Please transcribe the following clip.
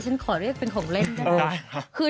ฉันขอเรียกเป็นของเล่นด้านหน้า